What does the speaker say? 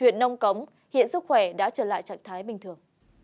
huyện nông cống hiện sức khỏe đã trở lại trạng thái bình thường